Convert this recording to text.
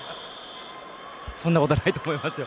そんなことないと思いますよ。